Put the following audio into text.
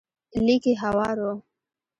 ليکي هوار و.